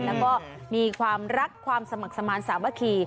แล้วก็มีความรักความสมัครสมาธิสามัคคี